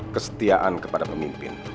kesetiaan kepada pemimpin